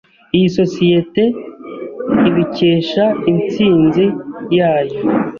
Iyi sosiyete ibikesha intsinzi yayo.